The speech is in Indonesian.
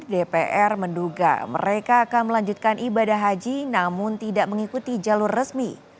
dpr menduga mereka akan melanjutkan ibadah haji namun tidak mengikuti jalur resmi